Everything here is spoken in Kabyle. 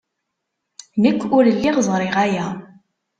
Nekk ur lliɣ ẓriɣ aya.